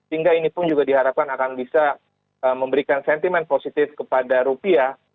hingga ini pun juga diharapkan akan bisa memberikan sentimen positif kepada rupiah